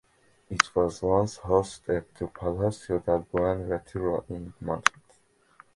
It was once housed at the "Palacio del Buen Retiro" in Madrid.